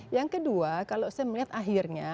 yang kedua kalau saya melihat akhirnya